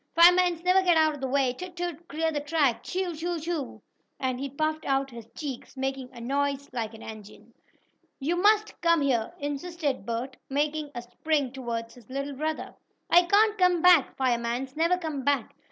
"Firemans never get out of the way! Toot! Toot! Clear the track! Chuu! Chuu! Chuu!" and he puffed out his cheeks, making a noise like an engine. "You must come here!" insisted Bert, making a spring toward his little brother. "I can't come back! Firemans never come back!"